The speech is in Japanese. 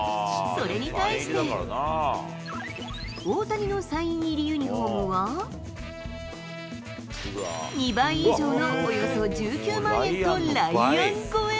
それに対して、大谷のサイン入りユニホームは、２倍以上のおよそ１９万円とライアン超え。